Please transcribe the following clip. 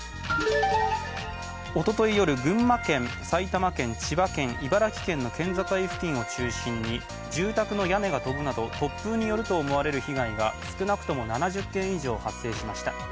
一昨日夜、群馬県、埼玉県千葉県、茨城県の県境付近を中心に、住宅の屋根が飛ぶなど突風によると思われる被害が少なくとも７０件以上発生しました。